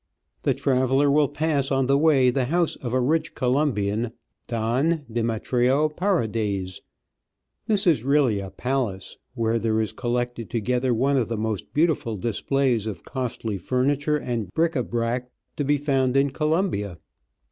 The traveller will pass on the way the house of a rich Colombian, Don Dematrio Parades. This is really a palace, where there is collected together one of the riiost beautiful displays of costly furniture and bric a brac to be found in Colombia.